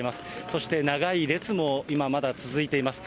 そして長い列も、今まだ続いています。